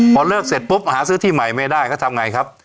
พอเลิกเสร็จปุ๊บหาซื้อที่ใหม่ไม่ได้เขาทำไงครับ